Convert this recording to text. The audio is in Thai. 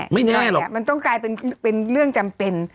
มันต้องกลายเป็นเรื่องจำเป็น